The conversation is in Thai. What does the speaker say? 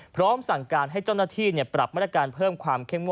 พร้อมสั่งการให้เจ้าหน้าที่ปรับมาตรการเพิ่มความเข้มงวด